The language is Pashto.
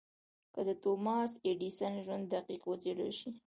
که د توماس ايډېسن ژوند دقيق وڅېړل شي.